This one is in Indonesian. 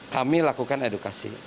kami lakukan edukasi